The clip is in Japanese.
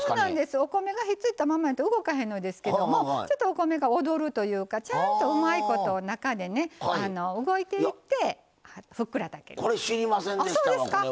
お米がひっついたままだと動かへんのですけどお米が踊るいうかちゃんとうまいこと中で動いていってふっくら炊ける。